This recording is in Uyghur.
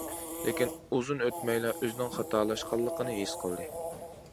لېكىن ئۇزۇن ئۆتمەيلا ئۆزىنىڭ خاتالاشقانلىقىنى ھېس قىلدى.